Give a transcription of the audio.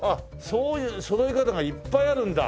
そういうそろい方がいっぱいあるんだ。